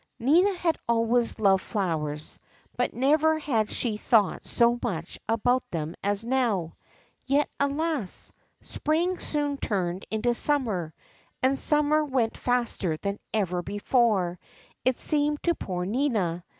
Nina had always loved flowers, but never had she thought so much about them as now. Yet, alas ! spring soon turned into summer, and summer went faster than ever before, it seemed to poor Nina.